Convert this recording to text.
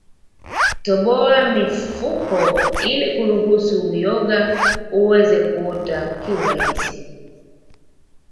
Toboa mifuko ili kuruhusu uyonga uweze kuota kiurahisi